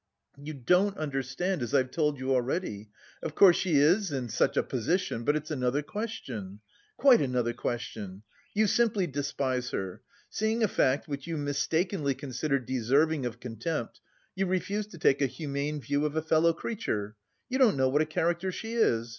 "You don't understand, as I've told you already! Of course, she is in such a position, but it's another question. Quite another question! You simply despise her. Seeing a fact which you mistakenly consider deserving of contempt, you refuse to take a humane view of a fellow creature. You don't know what a character she is!